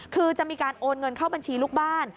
คือจะมีการโอนเงินเข้าบัญชีลูกบ้าน